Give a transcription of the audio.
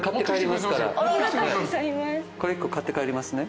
これ１個買って帰りますね。